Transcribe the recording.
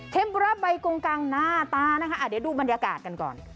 เทมปุระใบโกงกลางหน้าตานะคะอ่ะเดี๋ยวดูบรรยากาศกันก่อน